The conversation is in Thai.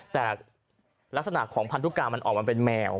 แต่ลักษณะของพันธุกามันออกมาเป็นแมว